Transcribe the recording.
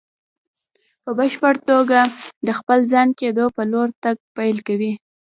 په بشپړ توګه د خپل ځان کېدو په لور تګ پيل کوي.